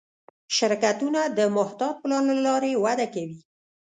شرکتونه د محتاط پلان له لارې وده کوي.